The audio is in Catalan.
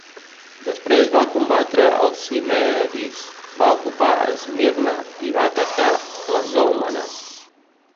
Després va combatre als cimmeris, va ocupar Esmirna i va atacar Clazòmenes.